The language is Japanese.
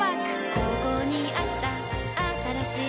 ここにあったあったらしい